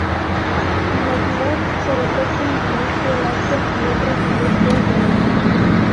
En la ciudad se destacan la industria láctea y otras industrias de alimentos.